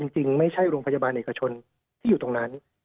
จริงไม่ใช่โรงพยาบาลเอกชนที่อยู่ตรงนั้น